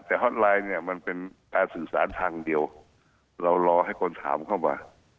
แต่ฮอตไลน์เนี่ยมันเป็นการสื่อสารทางเดียวเรารอให้คนถามเข้ามา